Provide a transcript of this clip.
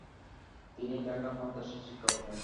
তিনি ঢাকা মাদ্রাসার শিক্ষক হন।